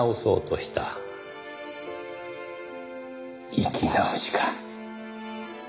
生き直しか。